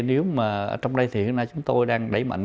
nếu mà trong đây thì hiện nay chúng tôi đang đẩy mạnh